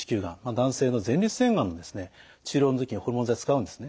男性の前立腺がんの治療の時にホルモン剤使うんですね。